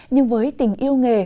nhưng với tình yêu nghề